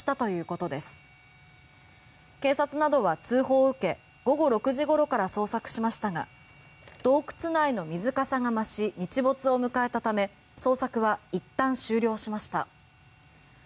行方がわからなくなっているのは客の夫婦とガイドの男性の３人で警察などは通報を受け午後６時ごろから捜索しましたが洞窟内の水かさが増し日没を迎えたため捜索はいったん終了しました。